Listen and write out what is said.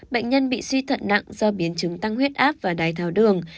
bệnh nhân bị suy thận nặng do biến chứng tăng huyết áp và đái tháo đường